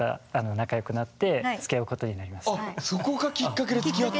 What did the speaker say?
あっそこがきっかけでつきあった。